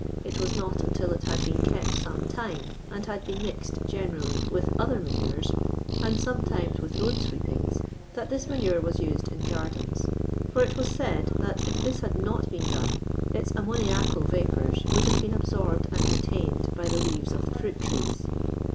It was not until it ])nd been kept some time, and had been mixed (j:».'n orally) with other manures, and sonu tinies with ruad sweepings, that this mnnnr«> was ust^d in gardens ; for it was said that if tills had not been done, its ammuniacal vnpours would have been absorbed and retained by tlio lenvos of the fruit trees.